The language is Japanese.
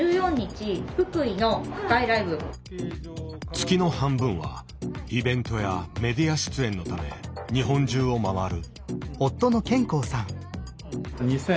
月の半分はイベントやメディア出演のため日本中を回る。